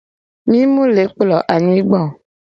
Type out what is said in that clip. Mi mu le kplo anyigba oo.